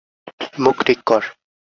মুখ ঠিক কর।